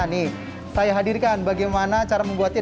nih saya hadirkan bagaimana cara membuatnya